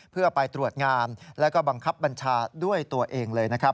เพื่อไปตรวจงานแล้วก็บังคับบัญชาด้วยตัวเองเลยนะครับ